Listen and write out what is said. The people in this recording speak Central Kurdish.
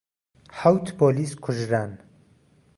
حەوت پۆلیس کوژران.